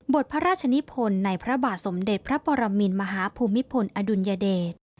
พระราชนิพลในพระบาทสมเด็จพระปรมินมหาภูมิพลอดุลยเดช